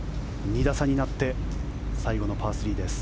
２打差になって最後のパー３です。